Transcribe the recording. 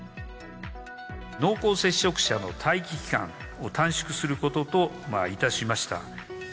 濃厚接触者の待機期間を短縮することといたしました。